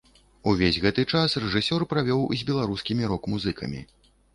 Увесь гэты час рэжысёр правёў з беларускімі рок-музыкамі.